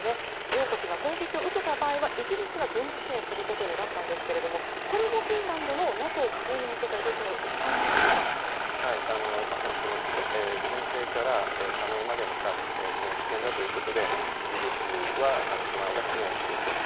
両国が攻撃を受けた場合はイギリスが軍事支援することになったんですがこれもフィンランドのＮＡＴＯ加盟に向けた動きのまさに申請から加盟までが非常に危険だということでイギリスは、その間支援するという。